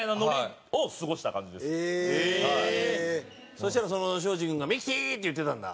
そしたら庄司君が「ミキティー！」って言ってたんだ。